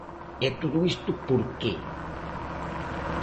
E todo isto por que?